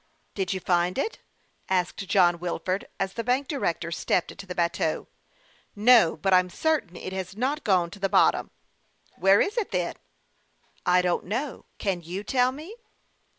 " Did you find it ?" asked John Wilford, as the bank director stepped into the bateau. 48 HASTE AND WASTE, OR " Xo ; but I'm certain it has not gone to the bottom." " Where is it, then?" "I don't know; can you tell me?"